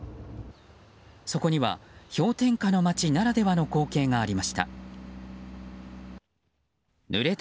そこには氷点下の町ならではの光景がありました。